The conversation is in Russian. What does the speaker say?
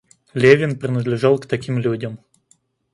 Левин принадлежал к таким людям.